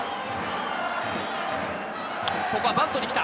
ここはバントにきた！